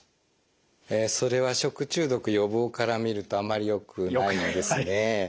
それは食中毒予防から見るとあまりよくないですね。